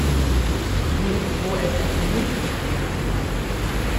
Wie ist so etwas möglich?